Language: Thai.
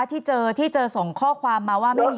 ที่เจอส่งข้อความว่าไม่มี